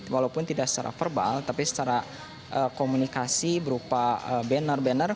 walaupun tidak secara verbal tapi secara komunikasi berupa banner banner